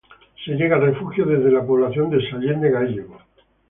Se llega al refugio desde la población de Sallent de Gállego.